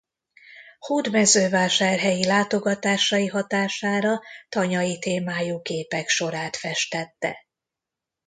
Hódmezővásárhelyi látogatásai hatására tanyai témájú képek sorát festette.